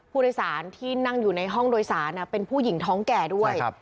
ผู้โดยสารที่นั่งอยู่ในห้องโดยสารเป็นผู้หญิงท้องแก่ด้วย